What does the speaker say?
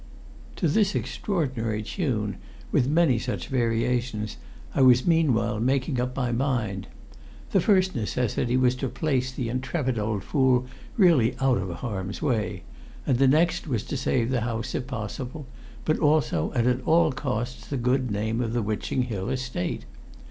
To this extraordinary tune, with many such variations, I was meanwhile making up my mind. The first necessity was to place the intrepid old fool really out of harm's way, and the next was to save the house if possible, but also and at all costs the good name of the Witching Hill Estate.